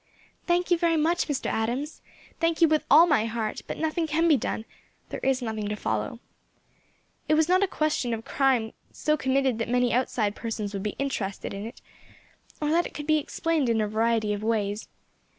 "Thank you very much, Mr. Adams; thank you with all my heart: but nothing can be done, there is nothing to follow. It was not a question of a crime so committed that many outside persons would be interested in it, or that it could be explained in a variety of ways.